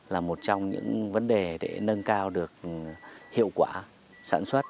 là một trong những vấn đề để nâng cao được hiệu quả sản xuất